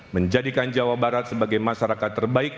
menjadikan jawa barat sebagai masyarakat terbaik